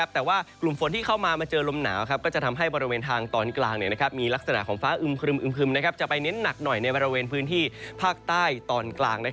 แต่ว่ากลุ่มฝนที่เข้ามามาเจอลมหนาวก็จะทำให้บริเวณทางตอนกลางมีลักษณะของฟ้าอึมครึมจะไปเน้นหนักหน่อยในบริเวณพื้นที่ภาคใต้ตอนกลาง